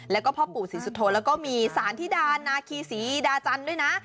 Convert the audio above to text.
แล้วก็พ่อปู่ศรีสุโธแล้วก็มีสารธิดานาคีศรีดาจันทร์ด้วยนะ